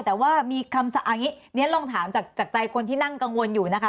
แต่ว่ามีคำสั่งเอาอย่างนี้เรียนลองถามจากใจคนที่นั่งกังวลอยู่นะคะ